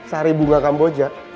sari bunga kamboja